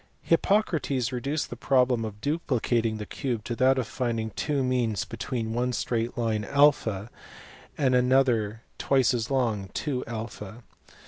Hippocrates reduced the problem of duplicating the cube to that of finding two means between one straight line (a), and another twice as long (2a).